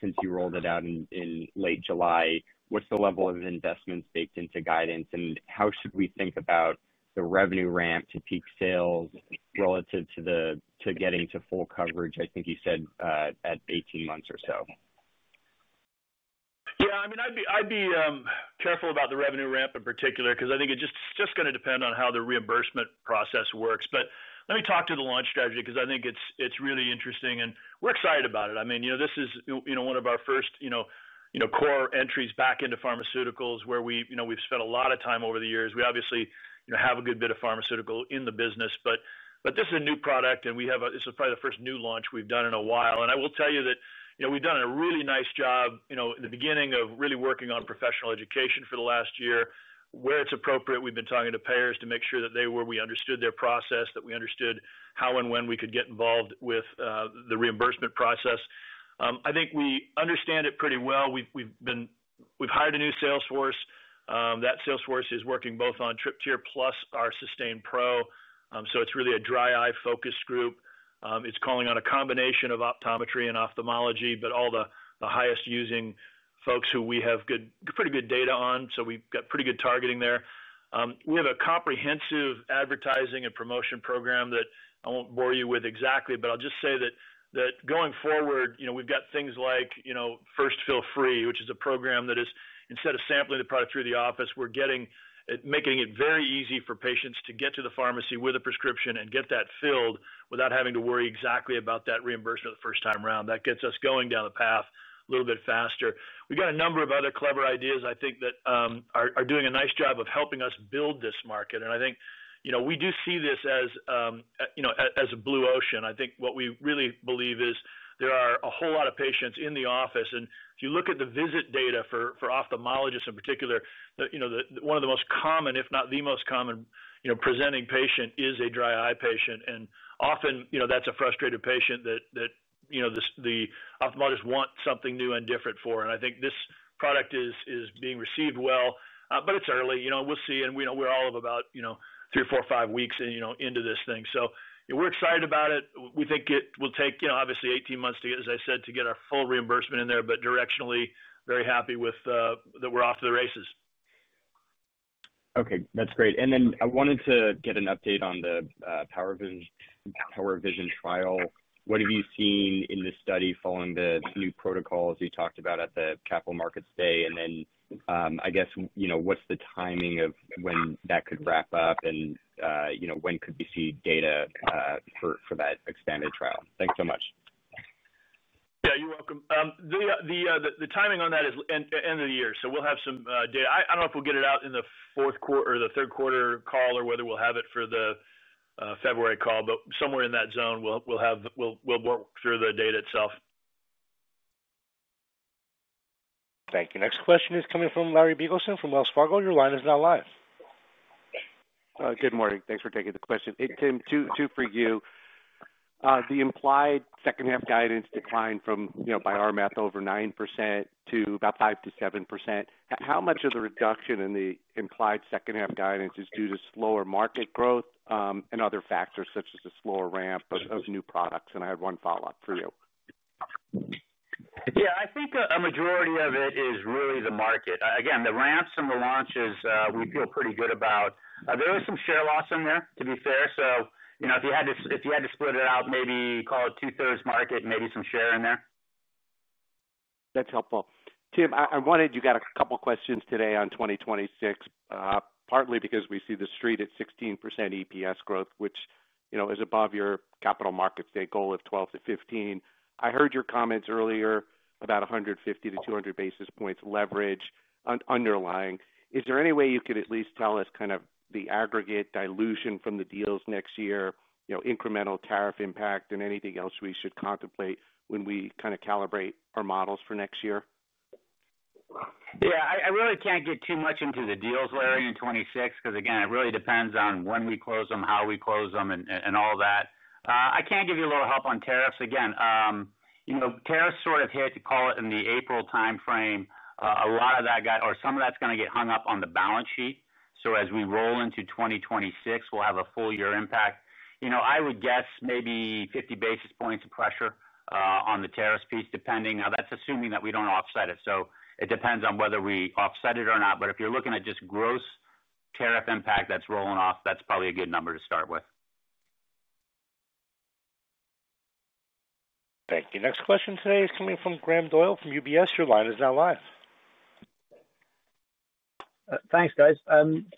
since you rolled it out in late July? What's the level of investments baked into guidance, and how should we think about the revenue ramp to peak sales relative to getting to full coverage? I think you said at 18 months or so. Yeah, I mean, I'd be careful about the revenue ramp in particular because I think it's just going to depend on how the reimbursement process works. Let me talk to the launch strategy because I think it's really interesting, and we're excited about it. I mean, you know, this is one of our first core entries back into pharmaceuticals where we, you know, we've spent a lot of time over the years. We obviously have a good bit of pharmaceutical in the business, but this is a new product, and we have, this is probably the first new launch we've done in a while. I will tell you that we've done a really nice job in the beginning of really working on professional education for the last year. Where it's appropriate, we've been talking to payers to make sure that we understood their process, that we understood how and when we could get involved with the reimbursement process. I think we understand it pretty well. We've hired a new sales force. That sales force is working both on Tryptyr plus our Systane Pro, so it's really a dry eye focus group. It's calling on a combination of optometry and ophthalmology, but all the highest using folks who we have pretty good data on. So we've got pretty good targeting there. We have a comprehensive advertising and promotion program that I won't bore you with exactly, but I'll just say that going forward, we've got things like, you know, First Feel Free, which is a program that is instead of sampling the product through the office, we're making it very easy for patients to get to the pharmacy with a prescription and get that filled without having to worry exactly about that reimbursement the first time around. That gets us going down the path a little bit faster. We've got a number of other clever ideas, I think, that are doing a nice job of helping us build this market. I think we do see this as a blue ocean. I think what we really believe is there are a whole lot of patients in the office. If you look at the visit data for ophthalmologists in particular, one of the most common, if not the most common, presenting patient is a dry eye patient. Often, that's a frustrated patient that the ophthalmologists want something new and different for. I think this product is being received well, but it's early. We'll see. We're all of about, you know, three, four, five weeks into this thing. We're excited about it. We think it will take, you know, obviously 18 months to get, as I said, to get our full reimbursement in there, but directionally, very happy with that. We're off to the races. Okay, that's great. I wanted to get an update on the Power Vision trial. What have you seen in this study following the new protocols you talked about at the Capital Markets Day? I guess, you know, what's the timing of when that could wrap up and, you know, when could we see data for that expanded trial? Thanks so much. Yeah, you're welcome. The timing on that is end of the year. We'll have some data. I don't know if we'll get it out in the fourth quarter or the third quarter call or whether we'll have it for the February call, but somewhere in that zone, we'll work through the data itself. Thank you. Next question is coming from Larry Biegelsen from Wells Fargo. Your line is now live. Good morning. Thanks for taking the question. Tim, two for you. The implied second half guidance declined from, you know, by our math over 9% to about 5%-7%. How much of the reduction in the implied second half guidance is due to slower market growth and other factors such as a slower ramp of new products? I have one follow-up for you. Yeah, I think a majority of it is really the market. Again, the ramps and the launches, we feel pretty good about. There is some share loss in there, to be fair. If you had to split it out, maybe call it 2/3 market and maybe some share in there. That's helpful. Tim, I wanted—you got a couple of questions today on 2026, partly because we see the Street at 16% EPS growth, which, you know, is above your Capital Markets Day goal of 12%-15%. I heard your comments earlier about 150-200 basis points leverage underlying. Is there any way you could at least tell us kind of the aggregate dilution from the deals next year, you know, incremental tariff impact, and anything else we should contemplate when we kind of calibrate our models for next year? Yeah, I really can't get too much into the deals layering in 2026 because, again, it really depends on when we close them, how we close them, and all that. I can't give you a little hop on tariffs. Again, you know, tariffs sort of hit to call it in the April timeframe. A lot of that got, or some of that's going to get hung up on the balance sheet. As we roll into 2026, we'll have a full year impact. I would guess maybe 50 basis points of pressure on the tariffs piece, depending. Now, that's assuming that we don't offset it. It depends on whether we offset it or not. If you're looking at just gross tariff impact that's rolling off, that's probably a good number to start with. Thank you. Next question today is coming from Graham Doyle from UBS. Your line is now live. Thanks, guys.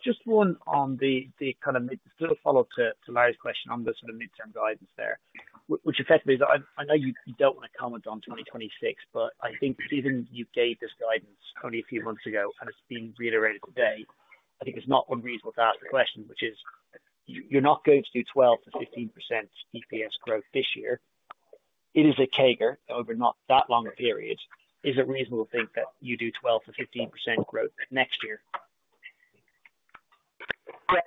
Just one on the kind of little follow-up to Larry's question on the sort of midterm guidance there, which effectively is that I know you don't want to comment on 2026, but I think given you gave this guidance only a few months ago and it's been reiterated today, I think it's not unreasonable to ask the question, which is you're not going to do 12%-15% EPS growth this year. It is a CAGR over not that long a period. Is it reasonable to think that you do 12%-15% growth next year?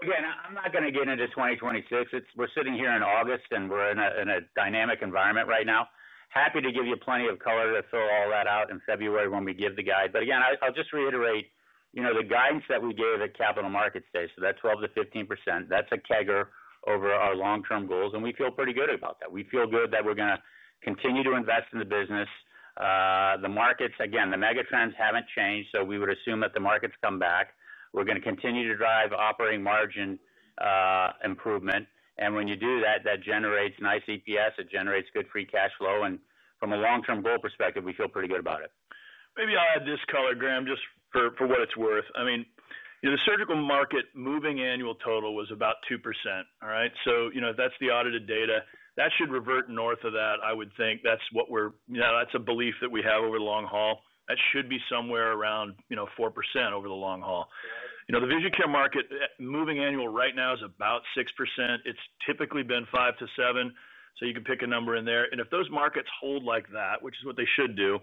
Yeah, and I'm not going to get into 2026. We're sitting here in August and we're in a dynamic environment right now. Happy to give you plenty of color to throw all that out in February when we give the guide. I'll just reiterate, you know, the guidance that we gave at Capital Markets Day, so that 12%-15%, that's a CAGR over our long-term goals. We feel pretty good about that. We feel good that we're going to continue to invest in the business. The markets, again, the megatrends haven't changed, so we would assume that the markets come back. We're going to continue to drive operating margin improvement. When you do that, that generates nice EPS, it generates good free cash flow. From a long-term goal perspective, we feel pretty good about it. Maybe I'll add this color, Graham, just for what it's worth. I mean, you know, the surgical market moving annual total was about 2%. All right. That's the audited data. That should revert north of that, I would think. That's what we're, you know, that's a belief that we have over the long haul. That should be somewhere around, you know, 4% over the long haul. You know, the Vision Care market moving annual right now is about 6%. It's typically been 5%-7%. You could pick a number in there. If those markets hold like that, which is what they should do,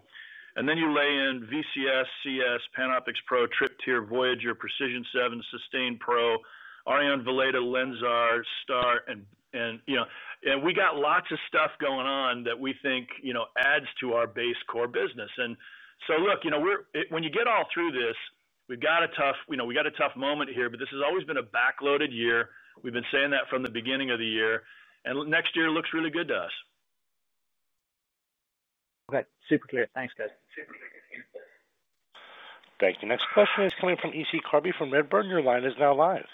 and then you lay in VCS, CS, PanOptix Pro, Tryptyr, Voyager, Precision 7, Systane Pro, Aurion, Valeda, LENSAR, STAAR Surgical, and, you know, and we got lots of stuff going on that we think, you know, adds to our base core business. Look, you know, when you get all through this, we've got a tough, you know, we got a tough moment here, but this has always been a backloaded year. We've been saying that from the beginning of the year. Next year looks really good to us. Okay, super clear. Thanks, guys. Thank you. Next question is coming from Issie Kirby from Redburn Atlantic. Your line is now live.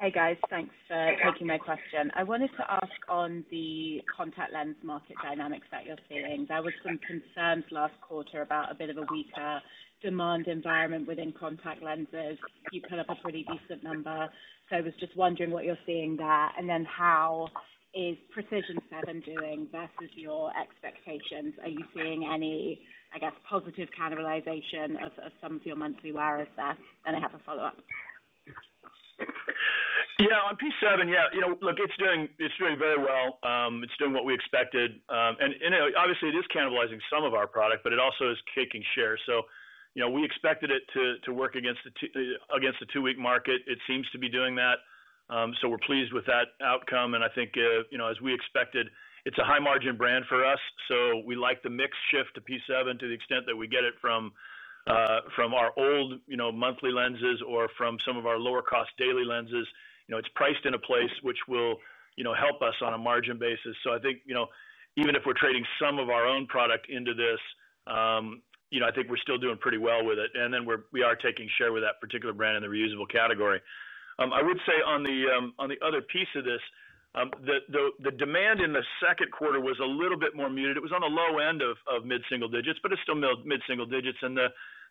Hey guys, thanks for taking my question. I wanted to ask on the contact lens market dynamics that you're seeing. There were some concerns last quarter about a bit of a weaker demand environment within contact lenses. You put up a pretty decent number. I was just wondering what you're seeing there. How is Precision7 doing versus your expectations? Are you seeing any, I guess, positive cannibalization of some of your monthly wearers there? I have a follow-up. Yeah, on P7, yeah, you know, look, it's doing very well. It's doing what we expected. Obviously, it is cannibalizing some of our product, but it also is kicking share. You know, we expected it to work against the two-week market. It seems to be doing that. We're pleased with that outcome. I think, you know, as we expected, it's a high margin brand for us. We like the mix shift to P7 to the extent that we get it from our old, you know, monthly lenses or from some of our lower cost daily lenses. You know, it's priced in a place which will, you know, help us on a margin basis. I think, you know, even if we're trading some of our own product into this, you know, I think we're still doing pretty well with it. We are taking share with that particular brand in the reusable category. I would say on the other piece of this, the demand in the second quarter was a little bit more muted. It was on the low end of mid-single digits, but it's still mid-single digits.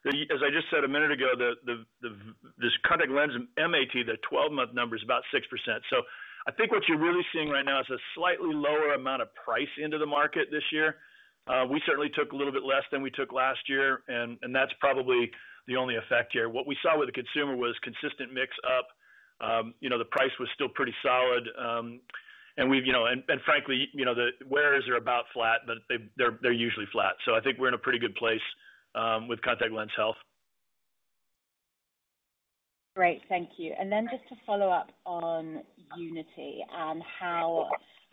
As I just said a minute ago, this contact lens MAT, the 12-month number is about 6%. I think what you're really seeing right now is a slightly lower amount of price into the market this year. We certainly took a little bit less than we took last year, and that's probably the only effect here. What we saw with the consumer was consistent mix up. The price was still pretty solid. We've, you know, and frankly, you know, the wearers are about flat, but they're usually flat. I think we're in a pretty good place with contact lens health. Great, thank you. Just to follow up on Unity and how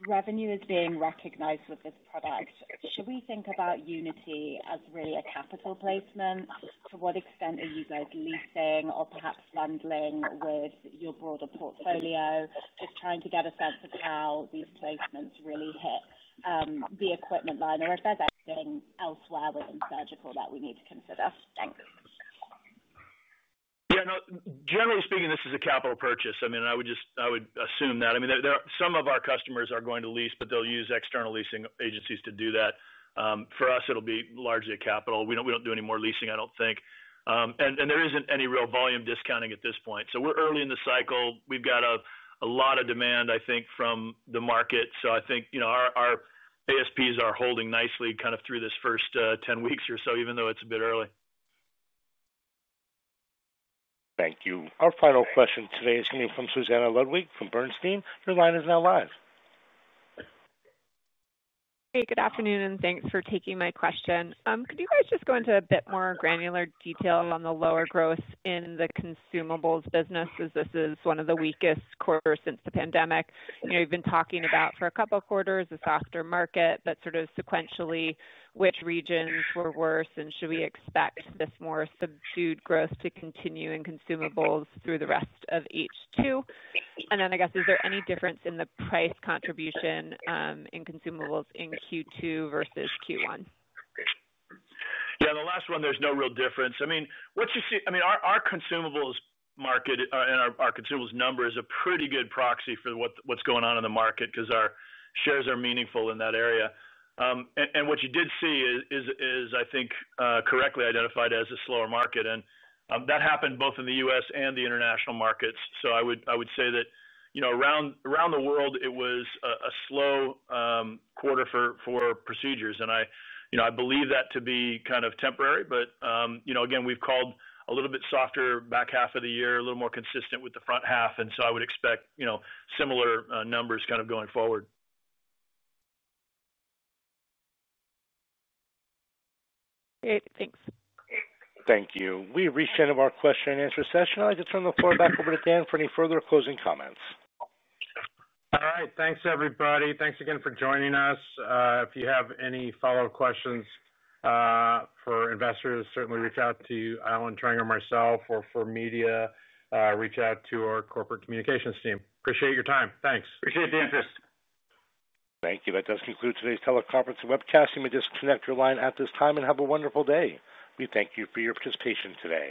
revenue is being recognized with this product, should we think about Unity as really a capital placement? To what extent are you both leasing or perhaps bundling with your broader portfolio? Just trying to get a sense of how these placements really hit the equipment line or if there's anything elsewhere within surgical that we need to consider. Thanks. Generally speaking, this is a capital purchase. I would assume that. Some of our customers are going to lease, but they'll use external leasing agencies to do that. For us, it'll be largely a capital. We don't do any more leasing, I don't think. There isn't any real volume discounting at this point. We're early in the cycle. We've got a lot of demand from the market. I think our ASPs are holding nicely through this first 10 weeks or so, even though it's a bit early. Thank you. Our final question today is coming from Susanna Ludwig from Bernstein. Your line is now live. Hey, good afternoon, and thanks for taking my question. Could you guys just go into a bit more granular detail on the lower growth in the consumables business as this is one of the weakest quarters since the pandemic? You've been talking about for a couple of quarters a softer market, but sort of sequentially, which regions were worse, and should we expect this more subdued growth to continue in consumables through the rest of H2? I guess, is there any difference in the price contribution in consumables in Q2 versus Q1? Yeah, in the last one, there's no real difference. I mean, what you see, our consumables market and our consumables number is a pretty good proxy for what's going on in the market because our shares are meaningful in that area. What you did see is, I think, correctly identified as a slower market. That happened both in the U.S. and the international markets. I would say that, around the world, it was a slow quarter for procedures. I believe that to be kind of temporary, but we've called a little bit softer back half of the year, a little more consistent with the front half. I would expect similar numbers kind of going forward. Great, thanks. Thank you. We've reached the end of our question-and-answer session. I'd like to turn the floor back over to Dan for any further closing comments. All right, thanks everybody. Thanks again for joining us. If you have any follow-up questions for investors, certainly reach out to Allen Treng or myself, or for media, reach out to our corporate communications team. Appreciate your time. Thanks. Appreciate the interest. Thank you. That does conclude today's teleconference webcast. You may disconnect your line at this time and have a wonderful day. We thank you for your participation today.